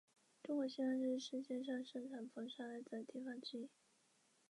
该事故至今仍然是中国铁路事故中外籍旅客伤亡最多的一次。